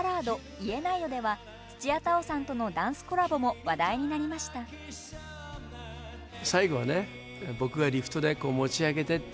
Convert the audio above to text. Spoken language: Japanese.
「言えないよ」では土屋太鳳さんとのダンスコラボも話題になりましたかっこいい！